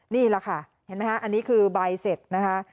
นี่แหละค่ะเห็นไหมคะอันนี้คือใบเสร็จนะคะ